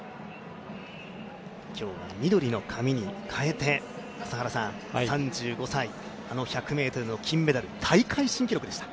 今日は緑の髪に変えて、３５歳あの１００ｍの金メダル、大会新記録でした。